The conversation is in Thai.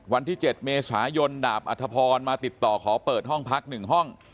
วันที่๗เมษายนดาบอัธพรมาติดต่อขอเปิดห้องพัก๑ห้อง